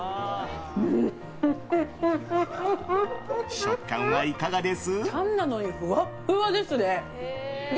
食感はいかがです？